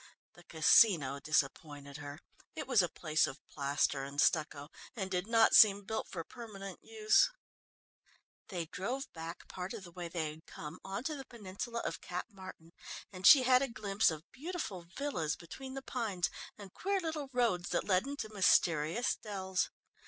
The Casino disappointed her it was a place of plaster and stucco, and did not seem built for permanent use. They drove back part of the way they had come, on to the peninsula of Cap Martin and she had a glimpse of beautiful villas between the pines and queer little roads that led into mysterious dells.